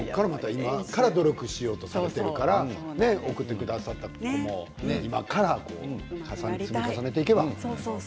今から努力しようとされているから送ってくださった子も今から積み重ねていけば。